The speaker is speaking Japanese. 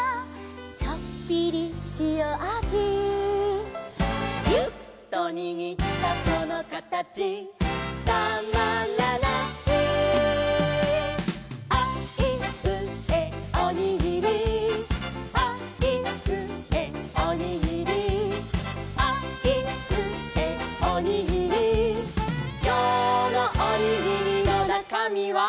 「ちょっぴりしおあじ」「ギュッとにぎったそのかたちたまらない」「あいうえおにぎり」「あいうえおにぎり」「あいうえおにぎり」「きょうのおにぎりのなかみは？」